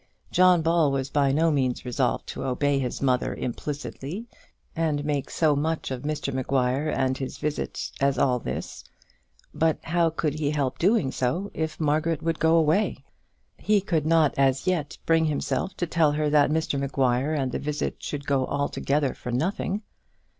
John Ball was by no means resolved to obey his mother implicitly and make so much of Mr Maguire and his visit as all this; but how could he help doing so if Margaret would go away? He could not as yet bring himself to tell her that Mr Maguire and the visit should go altogether for nothing.